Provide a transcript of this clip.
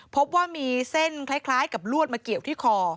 พบว่ามีเส้นคล้ายกับลวดมาเกี่ยวที่คอ